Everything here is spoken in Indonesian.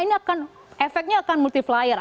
ini akan efeknya akan multi flyer